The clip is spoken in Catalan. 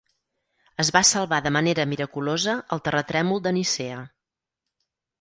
Es va salvar de manera miraculosa al terratrèmol de Nicea.